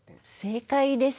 正解です。